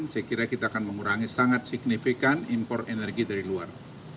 saya kira kita akan mengurangi sangat signifikan impor energi dari luar